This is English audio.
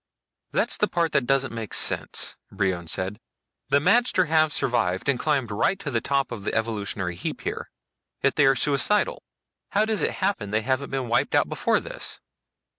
"That's the part that doesn't make sense," Brion said. "The magter have survived and climbed right to the top of the evolutionary heap here. Yet they are suicidal. How does it happen they haven't been wiped out before this?"